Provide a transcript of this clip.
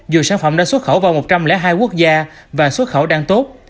dù sản phẩm đã xuất khẩu vào một trăm linh hai quốc gia và xuất khẩu đang tốt